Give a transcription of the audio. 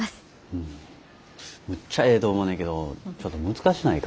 うんむっちゃええと思うねけどちょっと難しないか？